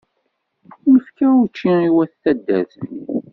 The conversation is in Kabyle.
Nefka učči i wayt taddart-nni.